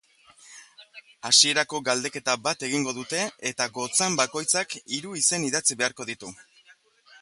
Hasierako galdeketa bat egingo dute eta gotzain bakoitzak hiru izen idatzi beharko ditu.